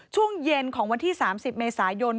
ช่วงเย็นของวันที่๓๐เมษายน